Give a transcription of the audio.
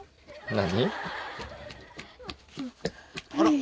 何？